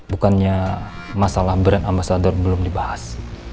bukannya masalah brand ambasador belum dibahas